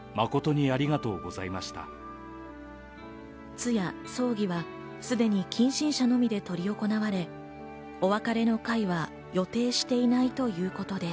通夜、葬儀はすでに近親者のみで執り行われ、お別れの会は予定していないということです。